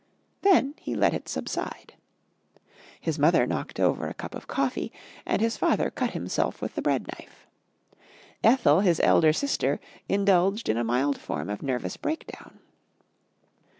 Then he let it subside. His mother knocked over a cup of coffee, and his father cut himself with the bread knife. Ethel, his elder sister, indulged in a mild form of nervous breakdown.